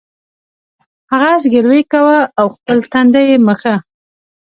هغه زګیروی کاوه او خپل تندی یې مښه